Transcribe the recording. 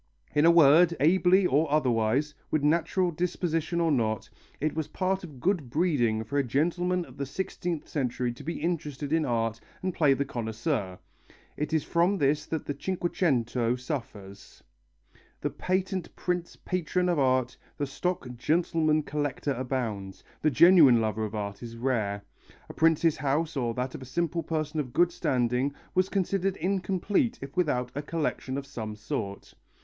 In a word, ably or otherwise, with natural disposition or not, it was part of good breeding for a gentleman of the sixteenth century to be interested in art and play the connoisseur. It is from this that the Cinquecento suffers. The patent prince patron of art, the stock gentleman collector abounds, the genuine lover of art is rare. A prince's house or that of a simple person of good standing was considered incomplete if without a collection of some sort.